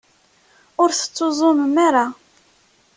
Ur tettuẓumem ara.